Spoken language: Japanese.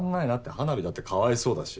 花火だってかわいそうだし。